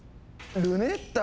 ルネッタ！